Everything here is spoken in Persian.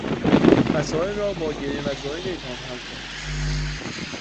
مسایل را با گریه و زاری نمیتوان حل کرد.